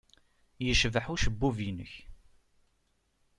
Yecbeḥ ucebbub-nnek.